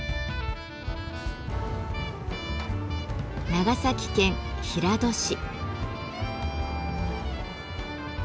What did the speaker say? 長崎県平戸市。